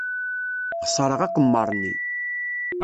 Xeṣreɣ aqemmer-nni.